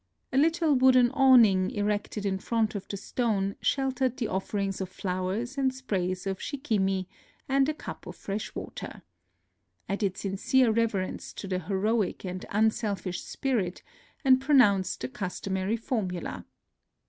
A little wooden awn ing erected in front of the stone sheltered the offerings of flowers and sprays of shikimi, and a cup of fresh water. I did sincere reverence to the heroic and unselfish spirit, and pro nounced the customary formula.